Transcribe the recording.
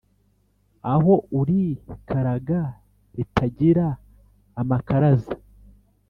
Aho urikaraga ritagira amakaraza